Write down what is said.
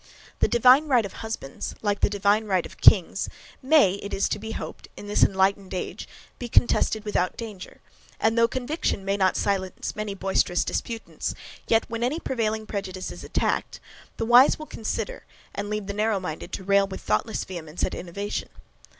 The DIVINE RIGHT of husbands, like the divine right of kings, may, it is to be hoped, in this enlightened age, be contested without danger, and though conviction may not silence many boisterous disputants, yet, when any prevailing prejudice is attacked, the wise will consider, and leave the narrow minded to rail with thoughtless vehemence at innovation.